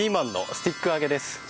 スティック揚げ。